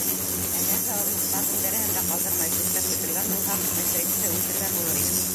Әгәр ҙә орлоҡтарҙың береһен дә ҡалдырмай сүпләп бөтөргән булһам, ғифритте үлтергән булыр инем.